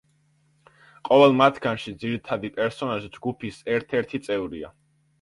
ყოველ მათგანში ძირითადი პერსონაჟი ჯგუფის ერთ-ერთი წევრია.